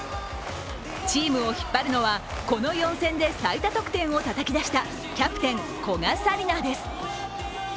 チームを引っ張るのはこの４戦で最多得点をたたき出したキャプテン・古賀紗理那です。